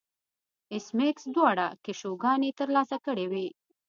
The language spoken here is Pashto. ایس میکس دواړه کشوګانې ترلاسه کړې وې